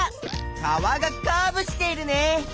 川がカーブしているね！